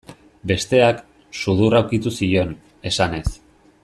Besteak, sudurra ukitu zion, esanez.